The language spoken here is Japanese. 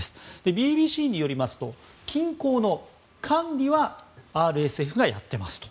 ＢＢＣによりますと金鉱の管理はＲＳＦがやっていますと。